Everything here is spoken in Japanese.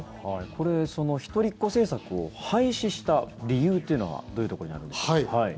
これ、一人っ子政策を廃止した理由というのはどういうところにあるんでしょうか。